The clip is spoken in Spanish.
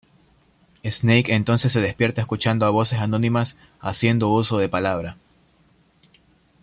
Snake entonces se despierta escuchando a voces anónimas haciendo uso de palabra.